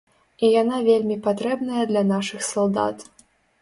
І яна вельмі патрэбная для нашых салдат.